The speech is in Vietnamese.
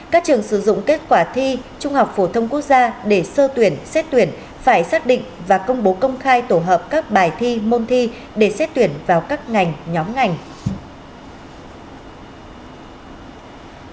các trường sử dụng kết quả thi trung học phổ thông quốc gia để sơ tuyển xét tuyển phải xác định và công bố công khai tổ hợp các bài thi môn thi để xét tuyển vào các ngành nhóm ngành